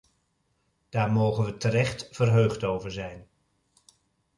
Daar mogen we terecht verheugd over zijn.